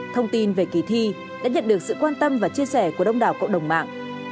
thông tin về kỳ thi đã nhận được sự quan tâm và chia sẻ của đông đảo cộng đồng mạng